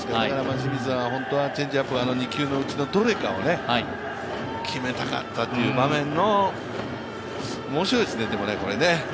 だから清水は本当はチェンジアップは２球のうちのどれかを決めたかったという場面の、面白いですね。